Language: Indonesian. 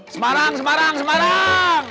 semarang semarang semarang